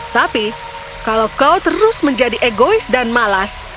tapi kalau kau terus menjadi egois dan malas